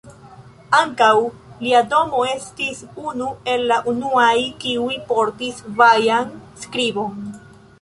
Ankaŭ, lia domo estis unu el la unuaj kiuj portis vajan skribon.